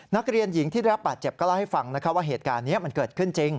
นักเรียนหญิงที่ได้รับบาดเจ็บก็เล่าให้ฟังว่าเหตุการณ์นี้มันเกิดขึ้นจริง